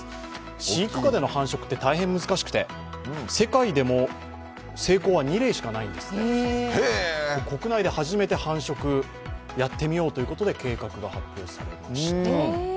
飼育下での繁殖は大変難しくて、世界でも成功は２例しかないんですって、国内で初めて繁殖やってみようということで、計画が発表されました。